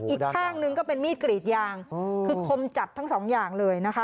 อีกข้างหนึ่งก็เป็นมีดกรีดยางคือคมจับทั้งสองอย่างเลยนะคะ